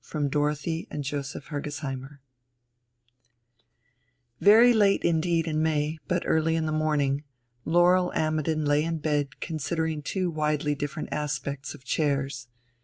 from Dorothy and Joseph Hergesheimer I Very late indeed in May, but early in the morning, Laurel Ammidon lay in bed considering two widely different aspects of chairs.